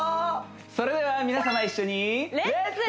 それでは皆様一緒にレッツ！